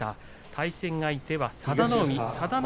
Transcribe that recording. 対戦相手は佐田の海です。